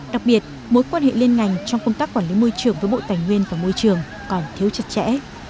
đặc biệt mối quan hệ liên ngành trong công tác quản lý môi trường với bộ tài nguyên và môi trường còn thiếu chặt chẽ